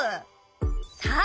さあ